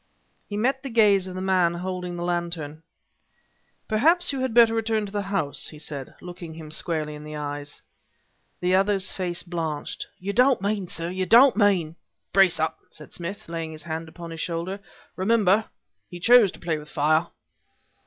He met the gaze of the man holding the lantern. "Perhaps you had better return to the house," he said, looking him squarely in the eyes. The other's face blanched. "You don't mean, sir you don't mean..." "Brace up!" said Smith, laying his hand upon his shoulder. "Remember he chose to play with fire!"